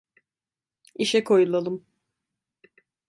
İşe koyulalım.